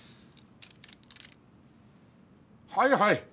はいはい。